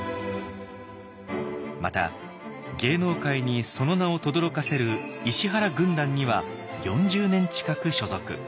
また芸能界にその名をとどろかせる「石原軍団」には４０年近く所属。